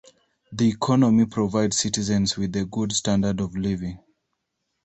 The economy provides citizens with a good standard of living.